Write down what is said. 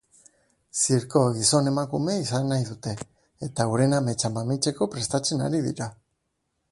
Zirko gizon-emakume izan nahi dute, eta euren ametsa mamitzeko prestatzen ari dira.